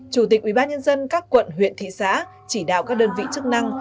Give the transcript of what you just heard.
chủ tịch ubnd các quận huyện thị xã chỉ đạo các đơn vị chức năng